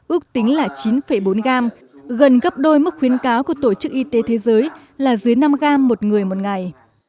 ước tính là chín bốn g gần gấp đôi mức khuyên cáo của tổ chức y tế thế giới là dưới năm g một người một ngày